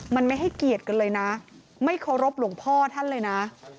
มันไม่ให้เกียรติกันเลยนะไม่เคารพหลวงพ่อท่านเลยนะ